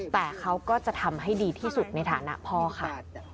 แต่เขาก็จะทำให้ดีที่สุดในฐานะพ่อค่ะ